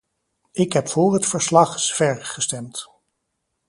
Ik heb voor het verslag-Zver gestemd.